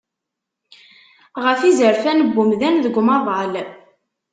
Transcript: Ɣef yizerfan n umdan, deg umaḍal.